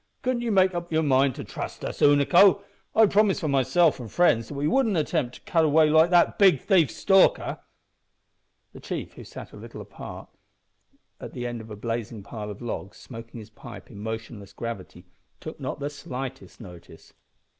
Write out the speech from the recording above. "Couldn't ye make up yer mind to trust us, Unaco? I'd promise for myself an' friends that we wouldn't attempt to cut away like that big thief Stalker." The chief, who sat a little apart near the farther end of the blazing pile of logs, smoking his pipe in motionless gravity, took not the slightest notice.